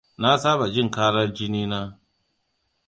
Na saba jin ƙarar jiniya.